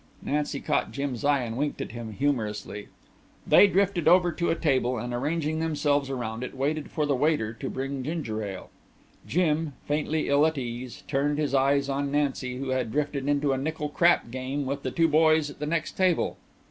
Nancy caught Jim's eye and winked at him humorously. They drifted over to a table and arranging themselves around it waited for the waiter to bring ginger ale. Jim, faintly ill at ease, turned his eyes on Nancy, who had drifted into a nickel crap game with the two boys at the next table.